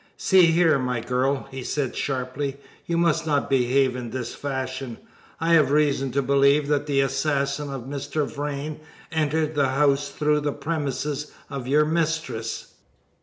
"See here, my girl," he said sharply, "you must not behave in this fashion. I have reason to believe that the assassin of Mr. Vrain entered the house through the premises of your mistress."